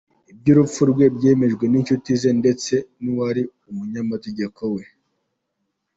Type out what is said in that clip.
Iby’urupfu rwe byemejwe n’inshuti ze ndetse n’ uwari umunyamategeko we.